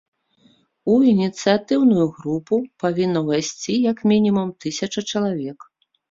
У ініцыятыўную групу павінна ўвайсці як мінімум тысяча чалавек.